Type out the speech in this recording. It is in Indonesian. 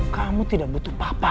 kamu tidak butuh papa